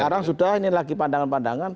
sekarang sudah ini lagi pandangan pandangan